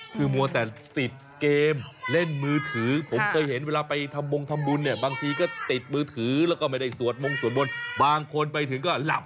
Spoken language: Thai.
ผมเคยเห็นเวลาไปทำบงทำบุญเนี่ยบางทีก็ติดมือถือและไม่ได้สวดมงสวดมนต์บางคนไปถึงก็หลับ